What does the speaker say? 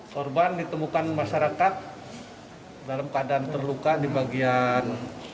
korban ditemukan masyarakat dalam keadaan terluka di bagian